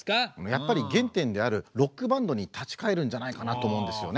やっぱり原点であるロックバンドに立ち返るんじゃないかなと思うんですよね。